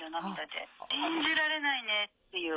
信じられないねっていう。